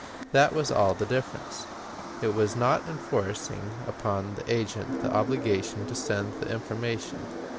That was all the difference. It was not enforcing upon the agent the obligation to send the information.